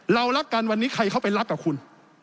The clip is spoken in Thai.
เรารักกันวันนี้ใครเข้าไปรักกับคุณ